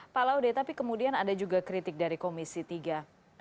pak laude tapi kemudian ada juga kritik dari komisi tiga